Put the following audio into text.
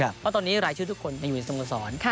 เพราะตอนนี้รายชื่อทุกคนยังอยู่ในสโมสร